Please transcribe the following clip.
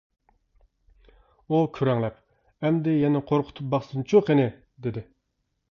ئۇ كۆرەڭلەپ:-ئەمدى يەنە قورقۇتۇپ باقسۇنچۇ قېنى؟ -دېدى.